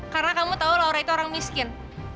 karena kamu tahu laura itu orang miskin